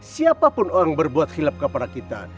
siapapun orang berbuat hilap kepada kita